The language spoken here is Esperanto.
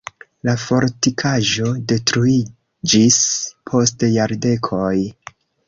La fortikaĵo detruiĝis post jardekoj.